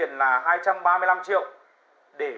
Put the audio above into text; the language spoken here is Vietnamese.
anh vừa bảo ai điệu